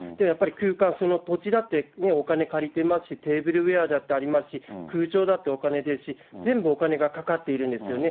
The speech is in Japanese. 空間、その土地だってお金借りてますし、テーブルウエアだってありますし、空調だってお金ですし、全部お金がかかっているんですよね。